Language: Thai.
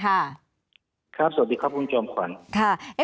ครับสวัสดีครับคุณจอมขวัญ